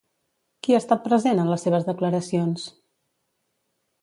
Qui ha estat present en les seves declaracions?